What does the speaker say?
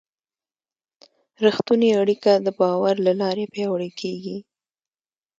رښتونې اړیکه د باور له لارې پیاوړې کېږي.